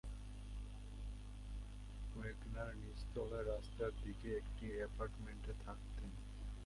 Wegener নিচতলায় রাস্তার দিকে একটি অ্যাপার্টমেন্টে থাকতেন।